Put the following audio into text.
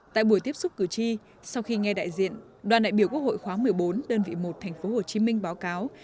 tại buổi tiếp xúc cử tri sau khi nghe đại diện đoàn đại biểu quốc hội khóa một mươi bốn đơn vị một thành phố hồ chí minh báo cáo